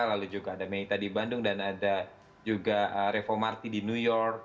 lalu juga ada meita di bandung dan ada juga revo marty di new york